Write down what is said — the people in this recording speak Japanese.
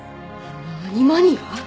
何マニア？